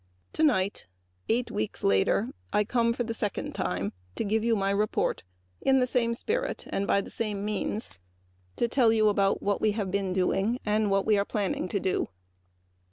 Tonight, eight weeks later, I come for the second time to give you my report; in the same spirit and by the same means to tell you about what we have been doing and what we are planning to do.